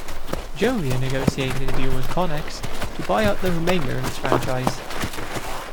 Govia negotiated a deal with Connex to buy out the remainder of its franchise.